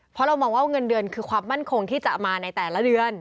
เพราะเรามองว่าเงินเดือนคือความมั่นคงที่จะมาในแต่ละเดือน